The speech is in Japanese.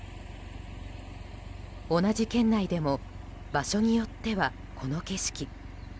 同じ県内でも、場所によってはこの景色。